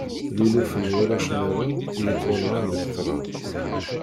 D luluf n warrac-nniḍen i yettwanɣan deg tṛad.